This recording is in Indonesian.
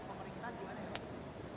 pengeringan gimana ya pak